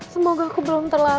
semoga aku belum terlambat